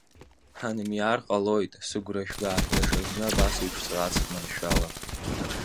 Ҳанымиар ҟалоит, сыгәра жәга, даҽазны, абасеиԥшҵәҟьа аҵх маншәала.